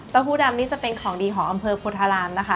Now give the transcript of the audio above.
ผู้ดำนี่จะเป็นของดีของอำเภอโพธารามนะคะ